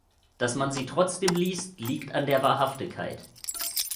Dass man sie trotzdem liest, liegt an der Wahrhaftigkeit.